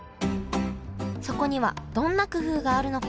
そこにはどんな工夫があるのか？